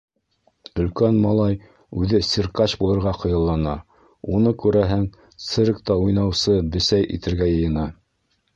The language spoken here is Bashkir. Өлкән малай үҙе циркач булырға хыяллана; уны, күрәһең, циркта уйнаусы бесәй итергә йыйына.